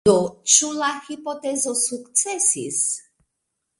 Do ĉu la hipotezo sukcesis?